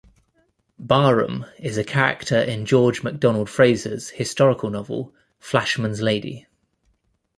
Barham is a character in George MacDonald Fraser's historical novel "Flashman's Lady".